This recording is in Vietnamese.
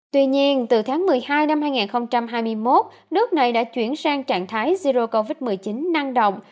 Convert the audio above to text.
tuy nhiên từ tháng một mươi hai năm hai nghìn hai mươi một nước này đã chuyển sang trạng thái zero covid một mươi chín năng động